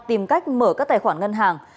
tìm cách mở các tài khoản ngân hàng